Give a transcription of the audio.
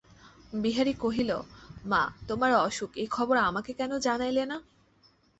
বিহারী কহিল, মা, তোমার অসুখ, এ খবর আমাকে কেন জানাইলে না।